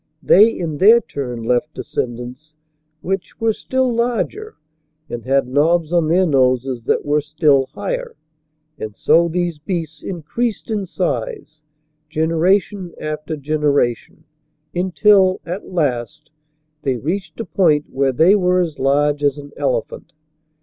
They, in their turn, left descendants which were still larger and had knobs on their noses that were still higher. And so these beasts increased in size, generation after generation, until, at last, they reached a point where they were as large as an elephant.